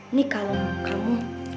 ini kalung muka mu